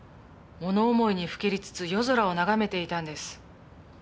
物思いにふけりつつ夜空を眺めていたんです。